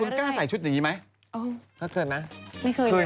คุณกลับไปคุณกล้าใส่ชุดอย่างนี้ไหมไม่เคยเลยค่ะ